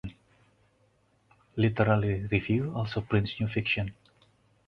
"Literary Review" also prints new fiction.